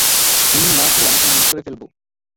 তুমি না উঠলে আমি ট্রেন মিস করে ফেলব।